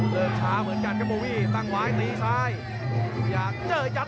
พาท่านผู้ชมกลับติดตามความมันกันต่อครับ